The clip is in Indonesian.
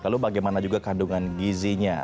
lalu bagaimana juga kandungan gizinya